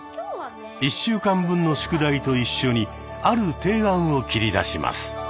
１週間分の宿題と一緒にある提案を切り出します。